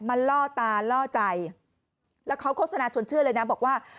ล่อตาล่อใจแล้วเขาโฆษณาชวนเชื่อเลยนะบอกว่า